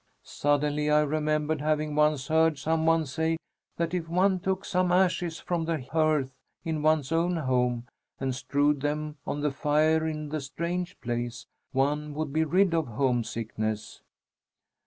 Suddenly I remembered having once heard some one say that if one took some ashes from the hearth in one's own home and strewed them on the fire in the strange place, one would be rid of homesickness."